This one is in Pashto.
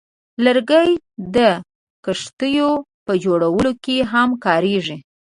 لرګی د کښتیو په جوړولو کې هم کارېږي.